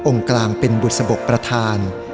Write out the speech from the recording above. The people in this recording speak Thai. กลางเป็นบุษบกประธาน